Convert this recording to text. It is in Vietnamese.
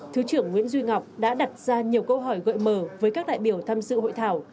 thứ trưởng nguyễn duy ngọc đã đặt ra nhiều câu hỏi gợi mờ với các đại biểu tham dự hội thảo